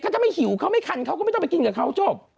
ถ้าไม่หิวเขาไม่คันเขาก็ไม่ต้องไปกินกับเขาจบ